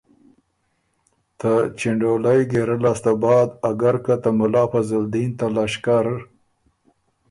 ته چِنډولئ ګېرۀ لاسته بعد اګر که ته ملا فضلدین ته لشکر